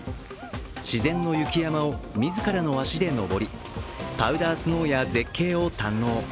自然の雪山を自らの足で登り、パウダースノーや絶景を堪能。